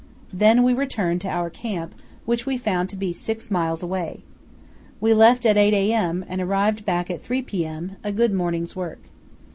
Then we returned to our camp, which we found to be six miles away. We left at 8 a.m. and arrived back at 3 p.m., a good morning's work.